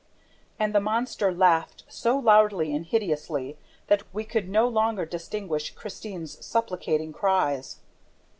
And the monster laughed so loudly and hideously that we could no longer distinguish Christine's supplicating cries!